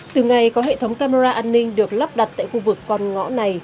từ ngày có hệ thống camera an ninh được lắp đặt tại khu vực con ngõ này